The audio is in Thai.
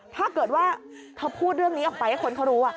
ถ้าเกิดว่าเธอพูดเรื่องนี้ออกไปให้คนเขารู้